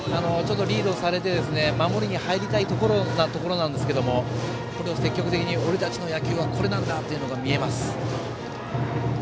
リードされて守りに入りたいところなんですが積極的に、俺たちの野球はこれなんだというのが見えます。